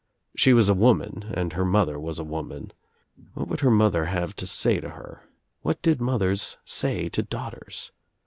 She was a woman and her mother was a woman. What ! would her mother have to say to her? What did mothers say to daughters?